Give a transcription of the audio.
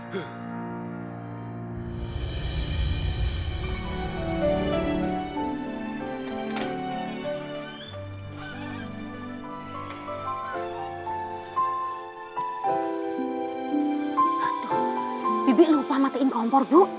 tuh bibik lupa matiin kompor bu